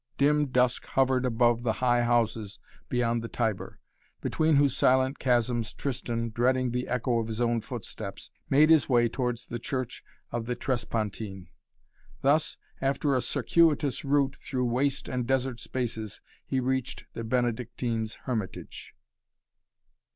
Dim dusk hovered above the high houses beyond the Tiber, between whose silent chasms Tristan, dreading the echo of his own footsteps, made his way towards the Church of the Trespontine. Thus, after a circuitous route through waste and desert spaces, he reached the Benedictine's hermitage.